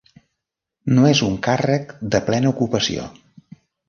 No és un càrrec de plena ocupació.